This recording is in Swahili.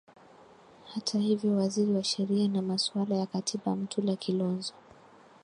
hata hivyo waziri wa sheria na masuala ya katiba mtula kilonzo